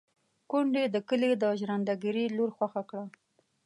کونډې د کلي د ژرنده ګړي لور خوښه کړه.